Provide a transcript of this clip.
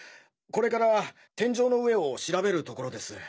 これから天井の上を調べるところです。